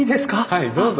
はいどうぞ。